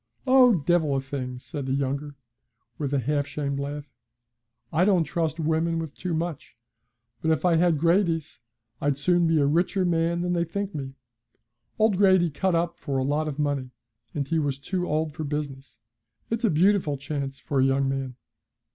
'Oh, divil a thing!' said the younger, with a half shamed laugh. 'I don't trust women with too much; but if I had Grady's, I'd soon be a richer man than they think me. Old Grady cut up for a lot of money, and he was too old for business. It's a beautiful chance for a young man.'